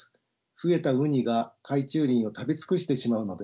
増えたウニが海中林を食べ尽くしてしまうのです。